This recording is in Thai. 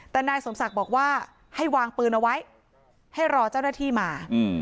แต่นายสมศักดิ์บอกว่าให้วางปืนเอาไว้ให้รอเจ้าหน้าที่มา